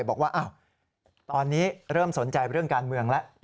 บอกว่าตอนนี้เริ่มสนใจเรื่องการเมืองแล้ว